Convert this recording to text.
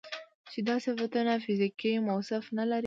چې دا صفتونه فزيکي موصوف نه لري